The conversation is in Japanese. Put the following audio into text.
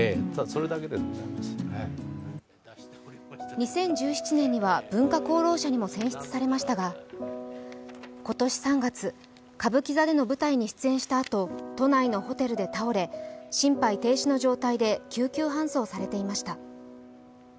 ２０１７年には文化功労者にも選出されましたが、今年３月、歌舞伎座での舞台に出演したあと、都内のホテルで倒れ心肺停止の状態で救急搬送されていました。